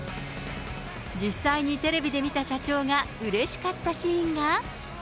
実際にテレビで見た社長がうれしかったシーンが。